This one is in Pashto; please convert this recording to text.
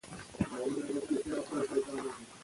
زلزله که په یوه سیمه فاجعه ده، همداسې د خدای یو رحمت دی